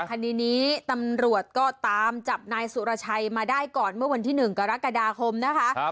คดีนี้ตำรวจก็ตามจับนายสุรชัยมาได้ก่อนเมื่อวันที่๑กรกฎาคมนะคะ